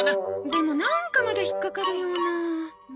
でもなんかまだ引っかかるような。